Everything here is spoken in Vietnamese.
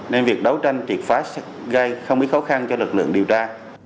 nên việc đấu tranh triệt phá gây không ít khó khăn cho lực lượng điều tra